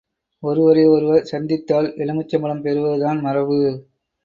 ஒருவரை ஒருவர் சந்தித்தால் எலுமிச்சம்பழம் பெறுவதுதான் மரபு!